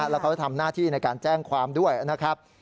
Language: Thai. แล้วเขาจะทำหน้าที่ในการแจ้งความด้วยนะครับ